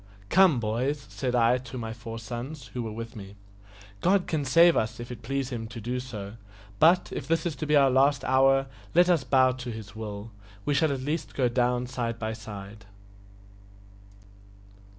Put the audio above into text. "Come, boys," said I to my four sons, who were with me, "God can save us if it please Him so to do; but, if this is to be our last hour, let us bow to His will we shall at least go down side by side."